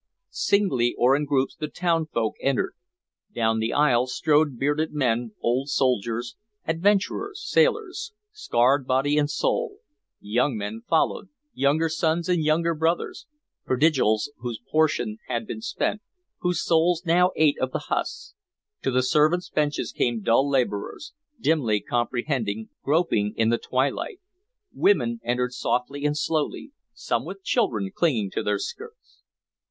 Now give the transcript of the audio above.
Singly or in groups the town folk entered. Down the aisle strode bearded men, old soldiers, adventurers, sailors, scarred body and soul; young men followed, younger sons and younger brothers, prodigals whose portion had been spent, whose souls now ate of the husks; to the servants' benches came dull laborers, dimly comprehending, groping in the twilight; women entered softly and slowly, some with children clinging to their skirts.